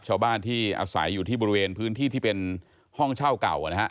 ชาวบ้านที่อาศัยอยู่ที่บริเวณพื้นที่ที่เป็นห้องเช่าเก่านะฮะ